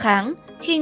khi nguồn dịch bệnh